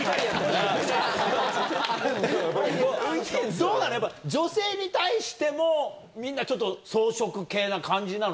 どうなの、女性に対しても、みんなちょっと、草食系な感じなの？